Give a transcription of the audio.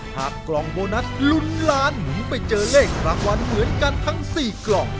กล่องโบนัสลุ้นล้านหมุนไปเจอเลขรางวัลเหมือนกันทั้ง๔กล่อง